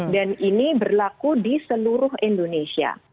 dan ini berlaku di seluruh indonesia